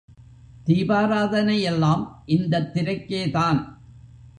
தீபாராதனை எல்லாம் இந்த திரைக்கேதான்.